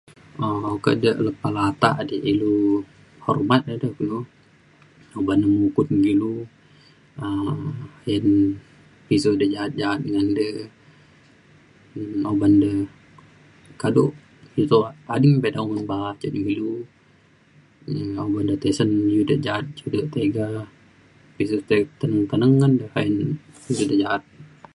um oke jek lepa latak dik ilu hormat eda kulu oban mukun kilu um ayen pisu dek jaat jaat ngan dek um oban dek kaduk u to ading pe eda oman ba'a cen ilu um oban de tesen u dek jaat u dek tega pisu teneng teneng ngan re ayen pisu dek jaat.